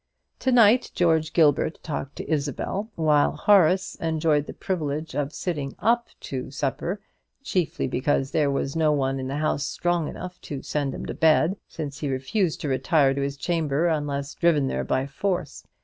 To night George Gilbert talked to Isabel; while Horace enjoyed the privilege of sitting up to supper chiefly because there was no one in the house strong enough to send him to bed, since he refused to retire to his chamber unless driven there by force.